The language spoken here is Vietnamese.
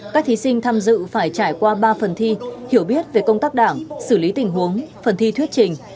các thí sinh tham dự phải trải qua ba phần thi hiểu biết về công tác đảng xử lý tình huống phần thi thuyết trình